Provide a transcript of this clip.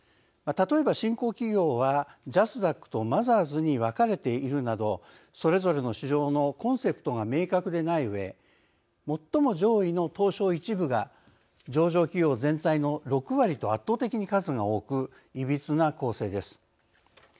例えば、新興企業はジャスダックとマザーズに分かれているなどそれぞれの市場のコンセプトが明確でないうえ最も上位の東証１部が上場企業全体の６割と圧倒的に数が多くいびつな構成です。